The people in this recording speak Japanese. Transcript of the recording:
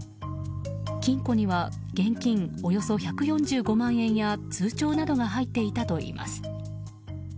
金庫には現金およそ１４５万円や通帳などが入っていたといいます。